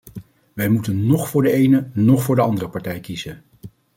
Wij moeten noch voor de ene, noch voor de andere partij kiezen.